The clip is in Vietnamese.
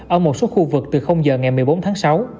ở một số khu vực từ giờ ngày một mươi bốn tháng sáu